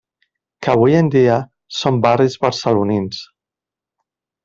Que avui en dia, són barris barcelonins.